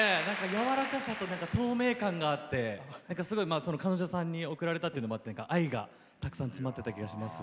やわらかさというか透明感があって彼女さんに送られたっていうのもあって愛がたくさん詰まってた気がします。